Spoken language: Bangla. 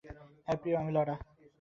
হ্যাঁ, প্রিয়, আমি লরা।